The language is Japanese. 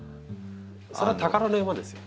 それは宝の山ですよ。